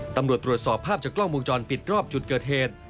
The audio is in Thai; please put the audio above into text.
ตำรวจตรวจสอบภาพจากกล้องวงจรปิดรอบจุดเกิดเหตุ